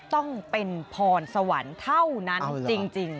ต้องเป็นพรสวรรค์เท่านั้นจริง